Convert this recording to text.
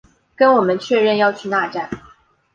跟我们确认要去那站